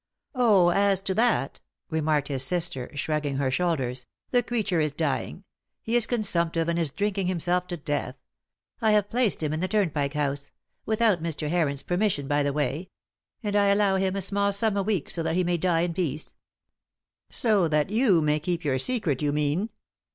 "Oh, as to that," remarked his sister, shrugging her shoulders, "the creature is dying; he is consumptive, and is drinking himself to death. I have placed him in the Turnpike House without Mr. Heron's permission, by the way and I allow him a small sum a week so that he may die in peace." "So that you may keep your secret, you mean."